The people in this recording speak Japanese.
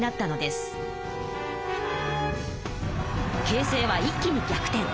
形勢は一気に逆転。